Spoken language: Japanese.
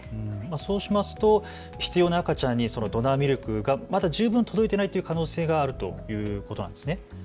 そうしますと必要な赤ちゃんにまだドナーミルク十分届いていないという可能性があるということなんですね。